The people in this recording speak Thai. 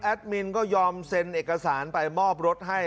มินก็ยอมเซ็นเอกสารไปมอบรถให้